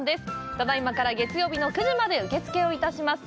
ただいまから、月曜日の９時まで受け付けをいたします。